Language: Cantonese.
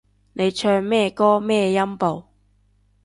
你唱咩歌咩音部